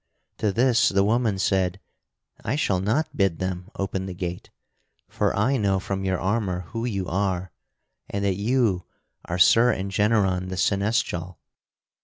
To this the woman said: "I shall not bid them open the gate, for I know from your armor who you are, and that you are Sir Engeneron the Seneschal.